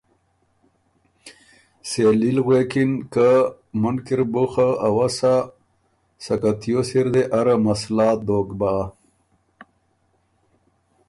سېلي غوېکِن که ”مُنکی ر بُو خه سا اؤسا سکه تیوس اِردې اره مسلات دوک بۀ۔